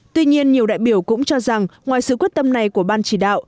tuy nhiên nhiều đại biểu cũng cho rằng ngoài sự quyết tâm này của ban chỉ đạo